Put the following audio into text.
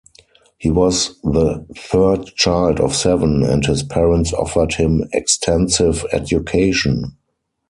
He was the third child of seven and his parents offered him extensive education.